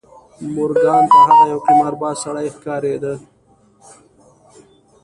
مورګان ته هغه یو قمارباز سړی ښکارېده